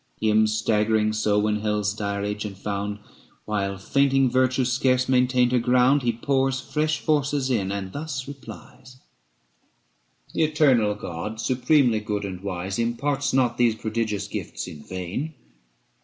Him staggering so when Hell's dire agent found, While fainting virtue scarce maintained her ground, He pours fresh forces in, and thus replies: 375 'The eternal God, supremely good and wise, Imparts not these prodigious gifts in vain.